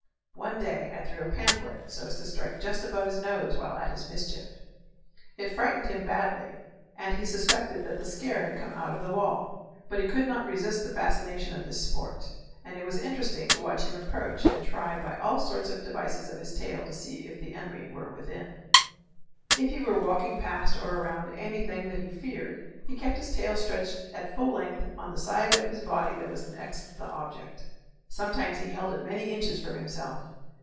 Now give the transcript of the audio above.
One day I threw a pamphlet so as to strike just above his nose while at his mischief. It frightened him badly, and he suspected that the scare had come out of the wall. But he could not resist the fascination of this sport, and it was interesting to watch him approach and try by all sorts of devices of his tail to see if the enemy were within. If he were walking past or around anything that he feared he kept his tail stretched at full length on the side of his body that was next the object sometimes he held it many inches from himself.